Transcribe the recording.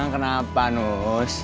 nah kenapa nus